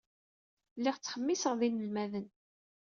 Lliɣ ttxemmiseɣ ed yinelmaden.